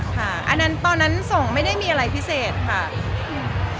ตอนนั้นส่งไม่ได้มีอะไรพิเศษจริง